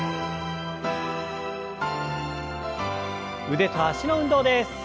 腕と脚の運動です。